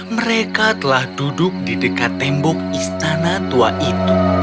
mereka telah duduk di dekat tembok istana tua itu